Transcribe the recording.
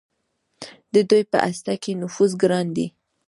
د دوی په هسته کې نفوذ ګران دی.